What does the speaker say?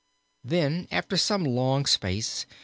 Then after some long space.